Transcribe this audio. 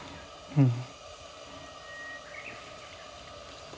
うん。